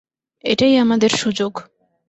এটাই আমাদের সুযোগ!